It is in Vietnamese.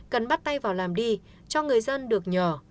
cần bắt tay vào làm đi cho người dân được nhờ